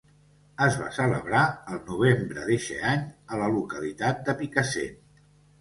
Es va celebrar al novembre d'eixe any a la localitat de Picassent.